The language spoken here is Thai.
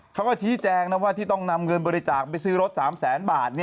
เขาก็ชี้แจงนะว่าที่ต้องนำเงินบริจาคไปซื้อรถ๓แสนบาท